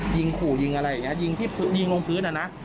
ยิงขู่ยิงอะไรอย่างนี้ยิงที่ยิงลงพื้นอ่ะนะ